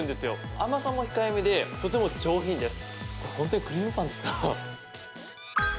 甘さも控えめでとても上品です。